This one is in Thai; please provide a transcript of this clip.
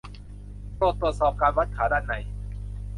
โปรดตรวจสอบการวัดขาด้านใน